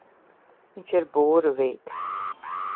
Viņš ir burvīgs.